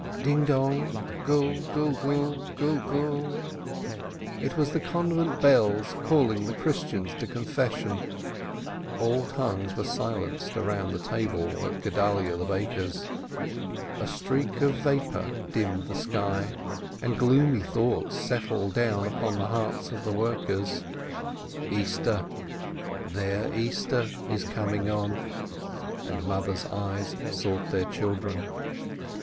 "Ding dong, gul gul gul gul gul gul !" It was the convent bells calling the Christians to con fession ! All tongues were silenced round the tables at Gedalyeh the baker's. A streak of vapor dimmed the sun, and gloomy thoughts settled down upon the hearts of the workers. "Easter ! Their Easter is coming on !" and mothers' eyes sought their children.